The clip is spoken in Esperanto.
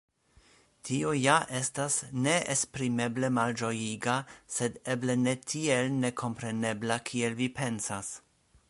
Tio ja estas neesprimeble malĝojiga, sed eble ne tiel nekomprenebla, kiel vi pensas.